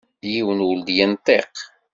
Yiwen ur d-yenṭiq.